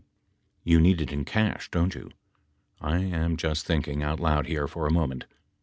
That is right. P. You need it in cash don't you? I am just thinking out loud here for a moment.